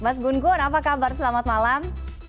mas gun gun apa kabar selamat malam